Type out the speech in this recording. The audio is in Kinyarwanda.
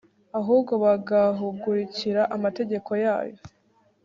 ahubwo bagahugukira amategeko yayo